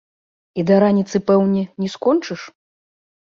І да раніцы, пэўне, не скончыш?